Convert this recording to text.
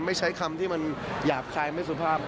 ใช้คำที่มันหยาบคลายไม่สุภาพ